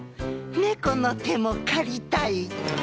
「ねこの手も借りたい」。